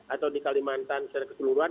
atau di kalimantan secara keseluruhan